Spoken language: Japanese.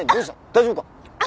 大丈夫か！？